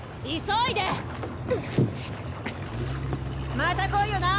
また来いよな。